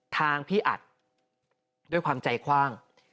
ทางพี่อัดด้วยความใจคว่าง